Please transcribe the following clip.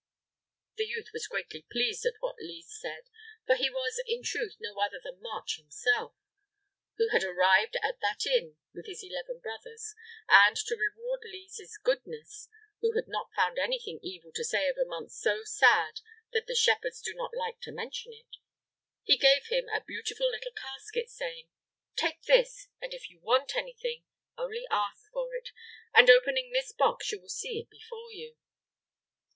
The youth was greatly pleased at what Lise said, for he was in truth no other than March himself, who had arrived at that inn with his eleven brothers, and to reward Lise's goodness, who had not found anything evil to say of a month so sad that the shepherds do not like to mention it, he gave him a beautiful little casket, saying, "Take this, and if you want anything, only ask for it, and, opening this box, you will see it before you."